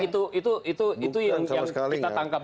itu yang kita takutkan